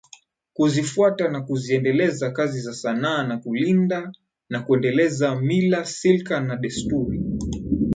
Kuzifufua na kuziendeleza kazi za sanaa na kulinda na kuendeleza mila silka na desturi